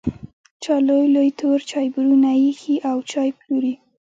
چا لوی لوی تور چایبرونه پرې ایښي او چای پلوري.